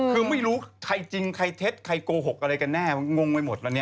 คือไม่รู้ใครจริงใครเท็จใครโกหกอะไรกันแน่งงไปหมดวันนี้